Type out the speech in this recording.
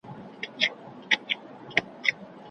استاد د څيړني دقت مهم بولي.